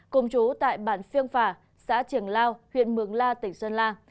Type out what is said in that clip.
cùng chú tại bản phiêng phả xã triển lao huyện mường la tỉnh sơn la